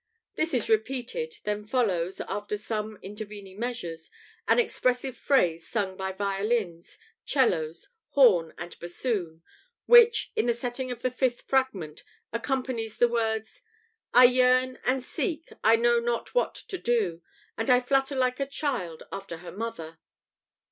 This is repeated; then follows, after some intervening measures, an expressive phrase sung by violins, 'cellos, horn, and bassoon, which, in the setting of the fifth Fragment, accompanies the words: "I yearn and seek, I know not what to do, And I flutter like a child after her mother."